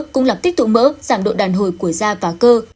cũng làm tích tụ mỡ giảm độ đàn hồi của da và cơ